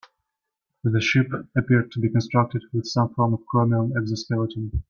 The ship appeared to be constructed with some form of chromium exoskeleton.